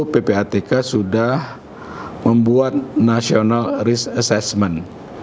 kita membuat national risk assessment